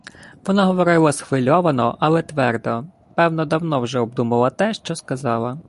Вона говорила схвильовано, але твердо, певно, давно вже обдумала те, що казала: